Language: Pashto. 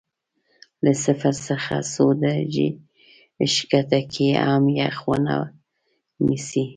له صفر څخه څو درجې ښکته کې هم یخ ونه نیسي.